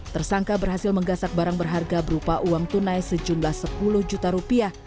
tersangka berhasil menggasak barang berharga berupa uang tunai sejumlah sepuluh juta rupiah